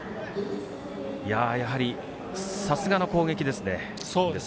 やはりさすがの攻撃ですね。